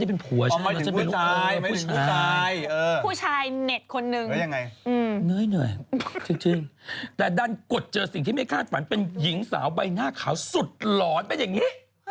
แต่ดันกดเจอสิ่งที่ไม่คาดฝันเป็นหญิงสาวใบหน้าขาวสุดหลอนเป็นอย่างนี้